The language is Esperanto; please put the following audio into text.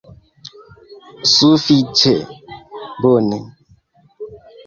Sufiĉe bone